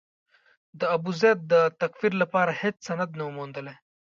د ابوزید د تکفیر لپاره هېڅ سند نه و موندلای.